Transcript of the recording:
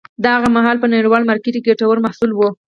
دا هغه مهال په نړیوال مارکېټ کې ګټور محصول و